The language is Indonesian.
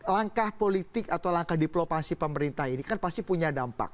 langkah politik atau langkah diplomasi pemerintah ini kan pasti punya dampak